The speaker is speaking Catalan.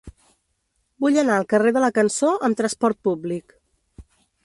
Vull anar al carrer de la Cançó amb trasport públic.